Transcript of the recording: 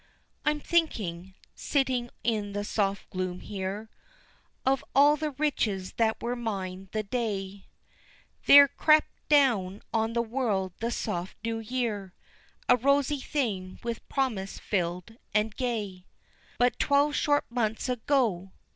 I'm thinking, sitting in the soft gloom here, Of all the riches that were mine the day There crept down on the world the soft new year, A rosy thing with promise filled and gay. But twelve short months ago!